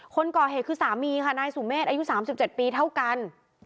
คนก่อเหตุคือสามีค่ะนายสุเมฆอายุ๓๗ปีเท่ากัน